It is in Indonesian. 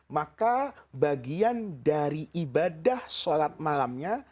maka bagian dari ibadah sholat malamnya